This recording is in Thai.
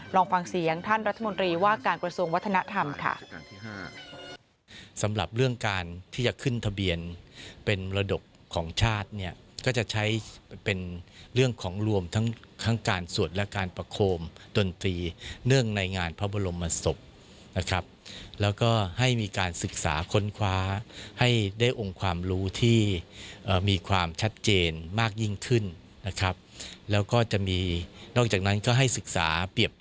ลองฟังเสียงท่านรัฐมนตรีว่าการกระทรวงวัฒนธรรมค่ะ